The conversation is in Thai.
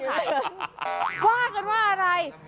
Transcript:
ว่ากันว่าอะไร